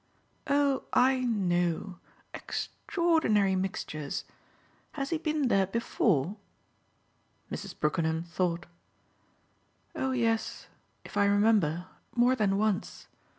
"Oh I know extraordinary mixtures. Has he been there before?" Mrs. Brookenham thought. "Oh yes if I remember more than once.